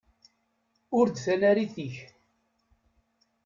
Ur d tanarit-ik.